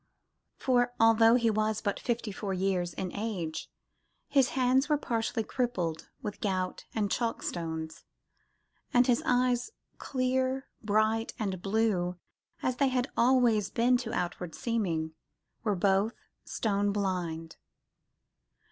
For, although he was but fifty four years in age, his hands were partly crippled with gout and chalkstones, and his eyes, clear, bright and blue as they had always been to outward seeming, were both stone blind.